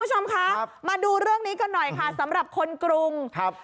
คุณผู้ชมคะมาดูเรื่องนี้กันหน่อยค่ะสำหรับคนกรุงครับ